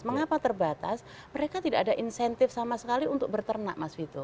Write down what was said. mengapa terbatas mereka tidak ada insentif sama sekali untuk berternak mas vito